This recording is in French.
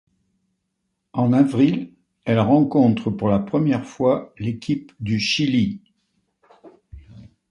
En avril, elle rencontre pour la première fois l'équipe du Chili.